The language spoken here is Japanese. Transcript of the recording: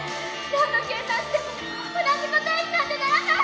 何度計算しても同じ答えになんてならない！